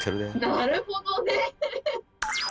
なるほど。